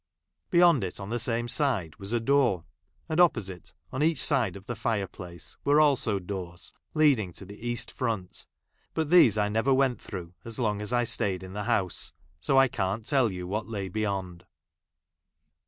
Beyond it, on the same side, was a door ; and op2>osite, on each side of the fire place, were also doors leading to the east front ; but those I never went thi'ough as long as I stayed in the house, so I can't tell you what lay beyond.